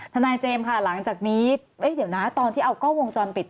ทนายเจมส์ค่ะหลังจากนี้เดี๋ยวนะตอนที่เอากล้องวงจรปิด